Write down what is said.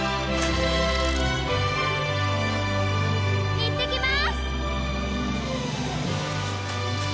いってきます！